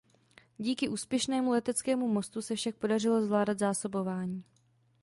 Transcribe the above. Díky úspěšnému leteckému mostu se však podařilo zvládat zásobování.